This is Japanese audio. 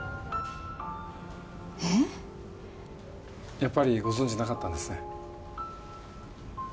やっぱりご存じなかったんですね？